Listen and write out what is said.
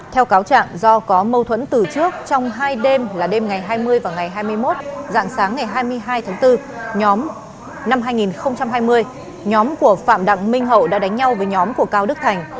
theo cáo trạng do có mâu thuẫn từ trước trong hai đêm là đêm ngày hai mươi và ngày hai mươi một dạng sáng ngày hai mươi hai tháng bốn năm hai nghìn hai mươi nhóm của phạm đặng minh hậu đã đánh nhau với nhóm của cao đức thành